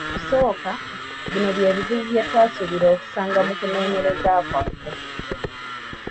"Mu kusooka, bino bye bizibu bye twasuubira okusanga mu kunoonyereza kwaffe."